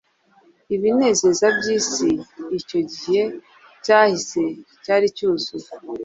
Ibinezeza byisi icyo gihe cyahise cyari cyuzuye